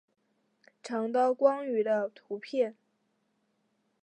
长刀光鱼的图片